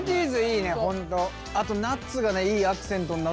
あとナッツがねいいアクセントになってんのよ。